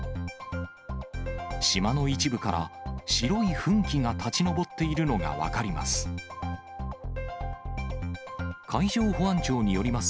島の一部から、白い噴気が立ち上っているのが分かります。